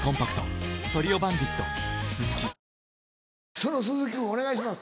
その鈴木君お願いします。